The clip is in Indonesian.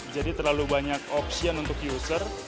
jadi terlalu banyak opsian untuk user